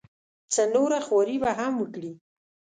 څه نوره خواري به هم وکړي.